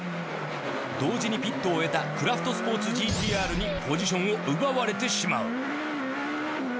同時にピットを終えたクラフトスポーツＧＴ−Ｒにポジションを奪われてしまう